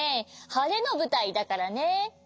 はれのぶたいだからね。